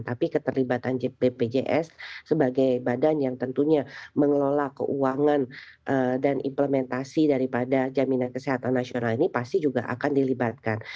tapi keterlibatan bpjs sebagai badan yang tentunya mengelola keuangan dan implementasi daripada jaminan kesehatan nasional ini pasti juga akan dilibatkan